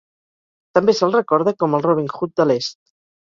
També se'l recorda com el Robin Hood de l'est.